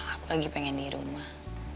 aku lagi pengen di rumah